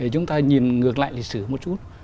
chúng ta nhìn ngược lại lịch sử một chút